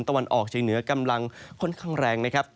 วันออกเชียงเหนือกำลังค่อนข้างแรงนะครับ